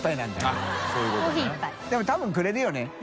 任多分くれるよね。